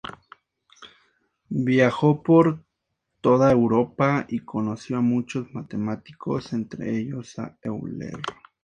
Viajó por toda Europa, y conoció a muchos matemáticos, entre ellos a Euler.